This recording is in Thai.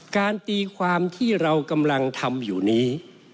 ตีความที่เรากำลังทำอยู่นี้